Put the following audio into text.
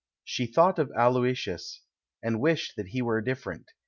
She thought of Aloysius, and wished that he were different.